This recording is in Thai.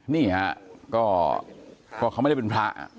นี่ฮะก็เขาไม่ได้เป็นพระ